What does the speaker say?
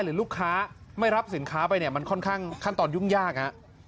หรือลูกค้าไม่รับสินค้าไปเนี่ยมันค่อนข้างขั้นตอนยุ่งยาก